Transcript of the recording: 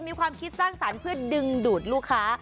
มีความคิดสร้างสรรค์เพื่อดึงดูดลูกค้า